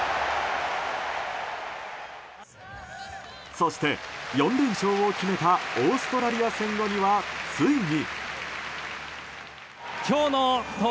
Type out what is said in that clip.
そして４連勝を決めたオーストラリア戦後にはついに。